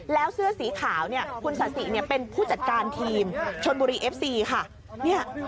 แล้วเสื้อสีขาวเนี่ยคุณสาธิเป็นผู้จัดการทีมชนบุรีเอฟซีค่ะ